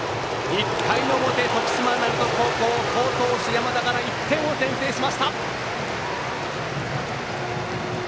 １回の表、徳島・鳴門高校好投手、山田から１点を先制しました。